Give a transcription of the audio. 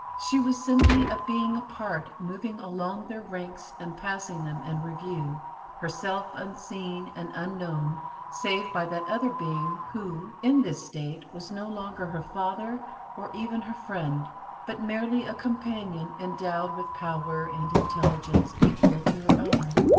She was simply a being apart, moving along their ranks and passing them in review, herself unseen and unknown save by that other being who, in this state, was no longer her father or even her friend, but merely a companion endowed with power and intelligence equal to her own.